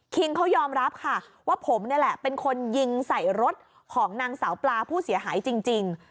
เขายอมรับค่ะว่าผมนี่แหละเป็นคนยิงใส่รถของนางสาวปลาผู้เสียหายจริง